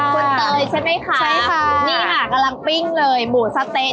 คุณเตยใช่ไหมคะใช่ค่ะนี่ค่ะกำลังปิ้งเลยหมูสะเต๊ะ